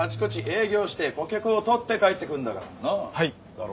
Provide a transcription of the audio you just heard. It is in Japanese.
だろ？